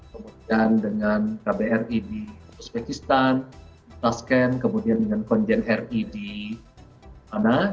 kemudian dengan kbri di uzbekistan tashkent kemudian dengan konjen ri di jepang